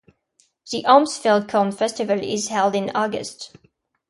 The Aumsville Corn Festival is held in August.